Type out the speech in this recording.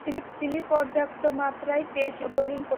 তিনি পর্যাপ্ত মাত্রায় পেস বোলিং করতেন।